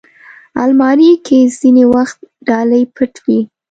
الماري کې ځینې وخت ډالۍ پټ وي